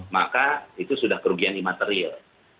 maka itu sudah kerugian imaterial